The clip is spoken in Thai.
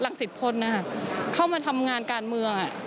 หลังสิทธิ์คนเข้ามาทำงานการเมือง